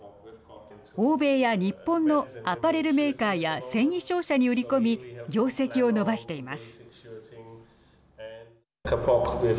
欧米や日本のアパレルメーカーや繊維商社に売り込み業績を伸ばしています。